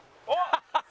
ハハハハ！